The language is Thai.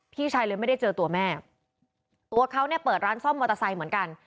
พี่ชายเลยไม่ได้เจอตัวแม่ตัวเขาเนี่ยเปิดร้านซ่อมมอเตอร์ไซค์เหมือนกัน